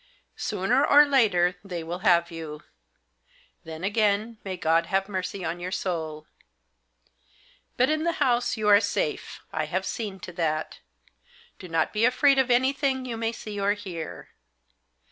Sooner or later they will have you. Then again may God have mercy on your soul. But in the house you are safe. I have seen to that. Do not be afraid of anything you may see or hear.